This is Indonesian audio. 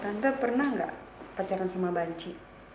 tante tante pernah nggak pacaran sama banci